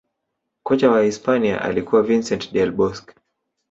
kocha wa hisipania alikuwa vincent del bosque